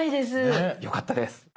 あっよかったです。